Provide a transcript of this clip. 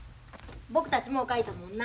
僕たちもう書いたもんな。